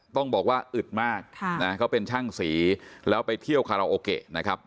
ต้องบอกว่าอึดมากเขาเป็นช่างสีแล้วไปเที่ยวคาราโอเกะนะครับ